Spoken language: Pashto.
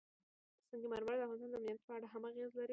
سنگ مرمر د افغانستان د امنیت په اړه هم اغېز لري.